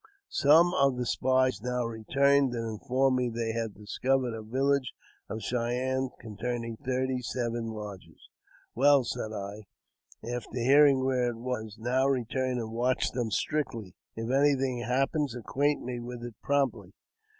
Some of the spies now returned and informed me that they had discovered a village of Cheyennes containing thirty seven lodges. "Well," said I, after learning where it was, ''now return and watch them strictly; if anything happens, acquaint me with it promptly."